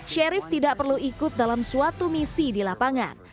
sherif tidak perlu ikut dalam suatu misi di lapangan